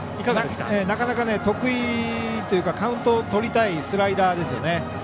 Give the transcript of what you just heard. なかなか、得意というかカウントをとりたいスライダーですよね。